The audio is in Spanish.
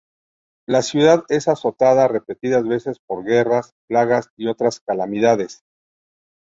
La ciudad es azotada repetidas veces por guerras, plagas y otras calamidades.